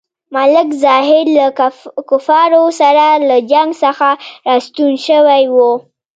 ملک ظاهر له کفارو سره له جنګ څخه راستون شوی وو.